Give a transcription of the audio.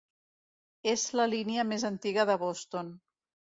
És la línia més antiga de Boston.